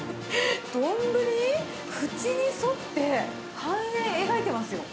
丼、縁に沿って半円描いてますよ。